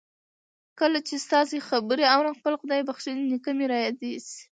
کله چې ستاسې خبرې آورم خپل خدای بخښلی نېکه مې را یاد شي